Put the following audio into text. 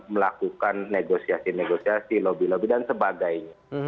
melakukan negosiasi negosiasi lobby lobby dan sebagainya